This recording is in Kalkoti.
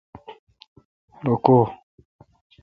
رو کو?